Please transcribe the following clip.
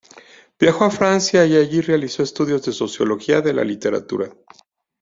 Viajó a Francia y allí realizó estudios de Sociología de la Literatura.